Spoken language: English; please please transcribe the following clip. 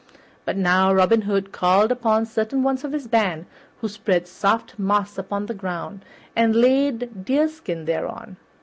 But now Robin Hood called upon certain ones of his band who spread soft moss upon the ground and laid deerskins thereon.